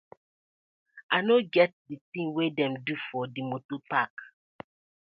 I no get di tin wey dem do for di motor park.